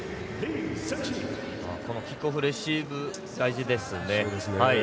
このキックオフレシーブ大事ですね。